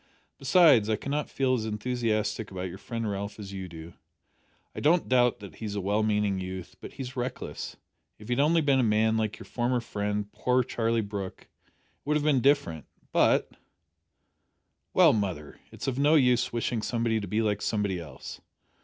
Besides, I cannot feel as enthusiastic about your friend Ralph as you do. I don't doubt that he is a well meaning youth, but he is reckless. If he had only been a man like your former friend, poor Charlie Brooke, it would have been different, but " "Well, mother, it's of no use wishing somebody to be like somebody else.